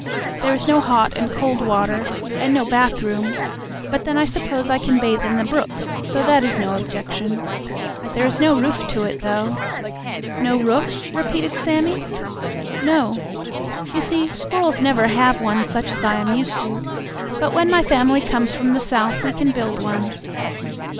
There is no hot and cold water and no bathroom, but then I suppose I can bathe in the brook, so that is no objection. There is no roof to it, though." "No roof?" repeated Sammie. "No. You see, squirrels never have one such as I am used to, but when my family comes from the South we can build one.